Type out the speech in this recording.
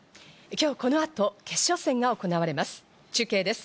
今日、この後、決勝戦が行われます。